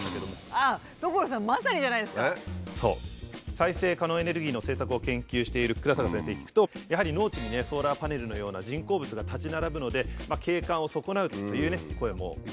再生可能エネルギーの政策を研究している倉阪先生に聞くとやはり農地にねソーラーパネルのような人工物が立ち並ぶので景観を損なうという声も一部あるそうなんですね。